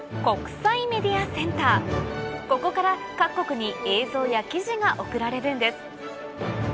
ここから各国に映像や記事が送られるんです